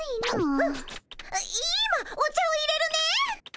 い今お茶をいれるね。